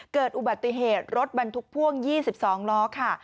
เกิดอุบัติเหตุรถบรรทุกพ่วง๒๒ล้อค่ะ